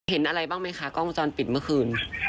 เห็นอะไรบ้างไหมคะกล้องวงจรปิดเมื่อคืน